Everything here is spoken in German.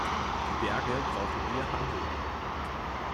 Die Berge brauchen Ihr Handeln.